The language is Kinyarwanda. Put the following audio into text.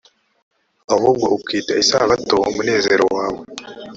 ahubwo ukita isabato umunezero wawe